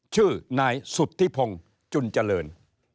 ชื่อนายสุธิพงศ์จุนเจริญ